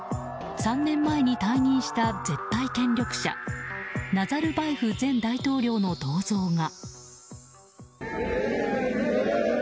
３年前に退任した絶対権力者ナザルバエフ前大統領の銅像が。